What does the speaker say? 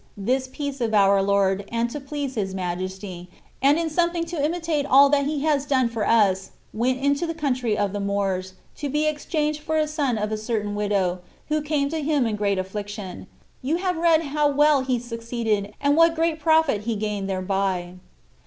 this peace of our Lord, and to please His Majesty, and in something to imitate all that He has done for us, went into the country of the Moors,* to be exchanged for a son of a certain widow, who came to him in great affliction ; you have read how well he succeeded, and what great profit he gained thereby.